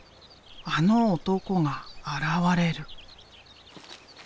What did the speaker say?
あの男が現れる。